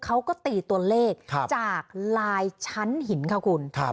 เขาก็ตีตัวเลขจากลายชั้นหินค่ะคุณ